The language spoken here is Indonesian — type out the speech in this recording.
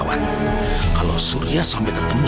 hantar aku di atas kotakmu